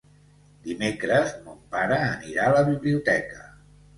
Dimecres mon pare anirà a la biblioteca.